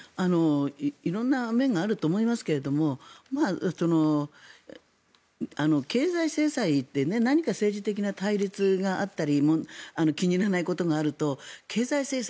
色んな面があると思いますけれども経済制裁って何か政治的な対立があったり気に入らないことがあると経済制裁。